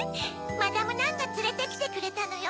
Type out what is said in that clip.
マダム・ナンがつれてきてくれたのよ。